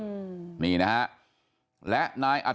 ครอบครัวญาติพี่น้องเขาก็โกรธแค้นมาทำแผนนะฮะ